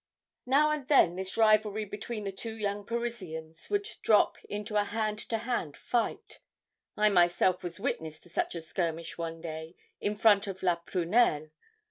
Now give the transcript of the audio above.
"Now and then this rivalry between the two young Parisians would drop into a hand to hand fight. I myself was witness to such a skirmish one day, in front of 'La Prunelle.'